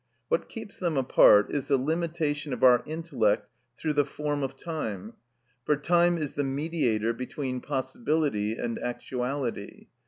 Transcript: What keeps them apart is the limitation of our intellect through the form of time; for time is the mediator between possibility and actuality.